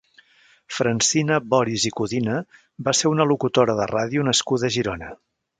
Francina Boris i Codina va ser una locutora de ràdio nascuda a Girona.